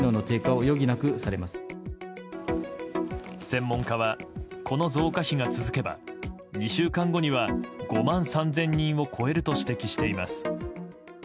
専門家はこの増加比が続けば２週間後には５万３０００人を超えると指摘しています。